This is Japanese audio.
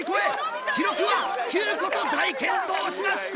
記録は９個と大健闘しました！